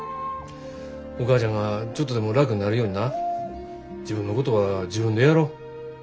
お母ちゃんがちょっとでも楽になるようにな自分のことは自分でやろ。